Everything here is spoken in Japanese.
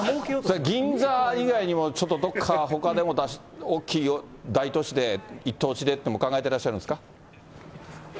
銀座以外にも、ちょっとどこか、ほかでも、大きい大都市で一等地でっていうのも考えてらっしゃるんですか？